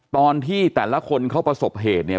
ตอนที่แต่ละคนเขาประสบเหตุเนี่ย